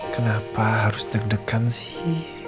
kenapa harus deg degan sih